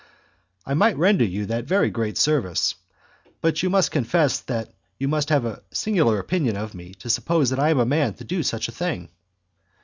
"I might render you that very great service; but you must confess that you must have a singular opinion of me to suppose that I am a man to do such a thing."